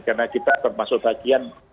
karena kita termasuk bagian